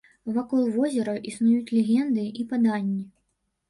Вакол возера існуюць легенды і паданні.